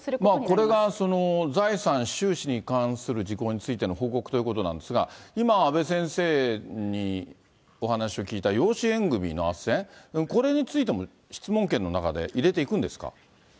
これが財産、収支に関する事項についての報告ということなんですが、今、阿部先生にお話を聞いた、養子縁組のあっせん、これについても質問権の中に入れていくんですか。